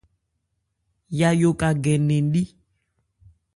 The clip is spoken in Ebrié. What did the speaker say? Yayó ka gɛ nnɛn li.